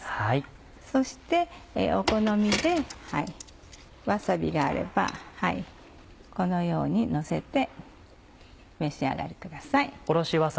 そしてお好みでわさびがあればこのようにのせてお召し上がりください。